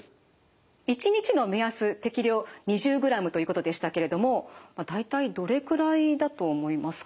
一日の目安適量２０グラムということでしたけれどもまあ大体どれくらいだと思いますか？